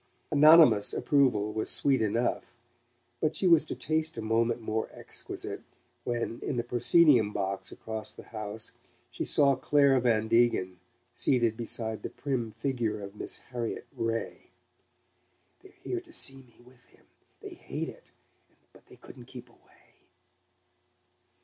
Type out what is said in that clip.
Anonymous approval was sweet enough; but she was to taste a moment more exquisite when, in the proscenium box across the house, she saw Clare Van Degen seated beside the prim figure of Miss Harriet Ray. "They're here to see me with him they hate it, but they couldn't keep away!"